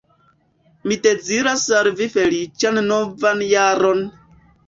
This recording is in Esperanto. Mi deziras al vi feliĉan novan jaron!